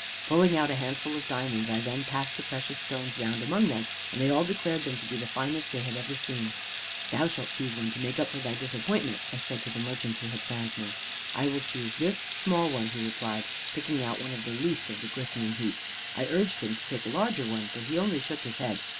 Pulling out a handful of diamonds, I then passed the precious stones round among them, and they all declared them to be the finest they had ever seen. "'Thou shalt choose one, to make up for thy disappointment,' I said to the merchant who had found me. "'I will choose this small one,' he replied, picking out one of the least of the glistening heap. "I urged him to take a larger one, but he only shook his head.